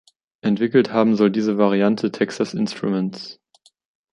Entwickelt haben soll diese Variante Texas Instruments.